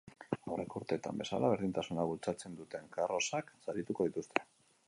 Aurreko urteetan bezala, berdintasuna bultzatzen duten karrozak sarituko dituzte.